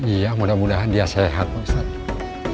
iya mudah mudahan dia sehat pak ustadz juga